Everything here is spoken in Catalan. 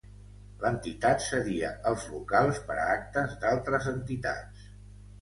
L'entitat cedia els locals per a actes d'altres entitats.